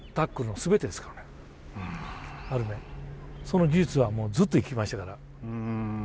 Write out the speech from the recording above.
その技術はもうずっと生きましたから。